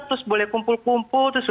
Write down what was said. terus boleh kumpul kumpul